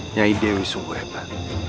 nyai dewi sungguh hebat